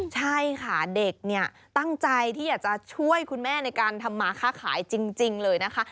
ใช่ค่ะเด็กเนี่ยตั้งใจที่อยากจะช่วยคุณแม่ในการทำมาค่าขายจริงเลยนะคะ